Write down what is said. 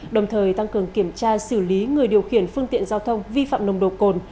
đồng thời tăng cường kiểm tra xử lý người điều khiển phương tiện giao thông vi phạm nồng độ cồn